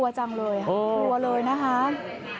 กลัวจังเลยครับกลัวเลยนะครับ